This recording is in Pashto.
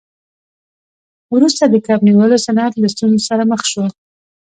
وروسته د کب نیولو صنعت له ستونزو سره مخ شو.